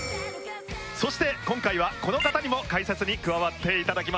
そして今回はこの方にも解説に加わっていただきます。